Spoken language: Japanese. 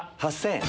８０００円。